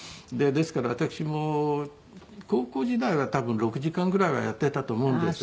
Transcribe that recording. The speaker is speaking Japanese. ですから私も高校時代は多分６時間ぐらいはやっていたと思うんです。